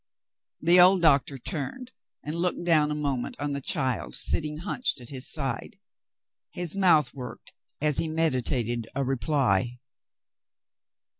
The old doctor turned and looked down a moment on the child sitting hunched at his side. His mouth w^orked as he meditated a reply.